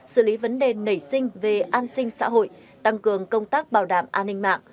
xử lý vấn đề nảy sinh về an sinh xã hội tăng cường công tác bảo đảm an ninh mạng